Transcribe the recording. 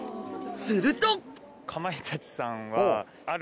すると！